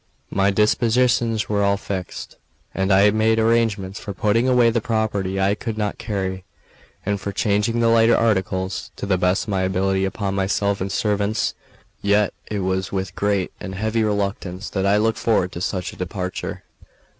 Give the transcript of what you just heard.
My dispositions were all fixed; I had made arrangements for putting away the property I could not carry, and for charging the lighter articles, to the best of my ability, upon myself and servants; yet it was with great and heavy reluctance that I looked forward to such a departure.